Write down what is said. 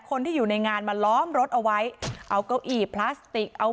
คนที่อยู่ในงานมาล้อมรถเอาไว้เอาเก้าอี้พลาสติกเอา